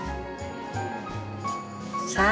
さあ。